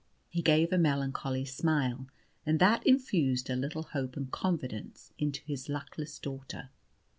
He gave a melancholy smile, and that infused a little hope and confidence into his luckless daughter.